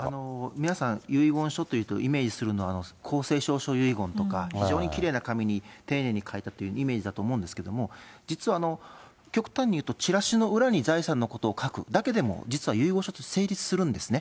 皆さん遺言書というと、イメージするのは、公正証書遺言とか、非常にきれいな紙に丁寧に書いたというイメージだと思うんですけれども、実は極端にいうと、チラシの裏に財産のことを書くだけでも、実は遺言書として成立するんですね。